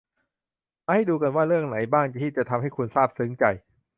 มาให้ดูกันว่า เรื่องไหนบ้างที่จะทำให้คุณซาบซึ้งใจ